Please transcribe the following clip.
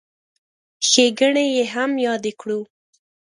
ښېګڼې یې هم یادې کړو.